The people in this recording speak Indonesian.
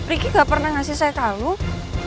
riki gak pernah ngasih saya kalung